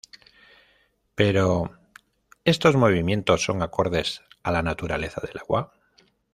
Pero, ¿estos movimientos son acordes a la naturaleza del agua?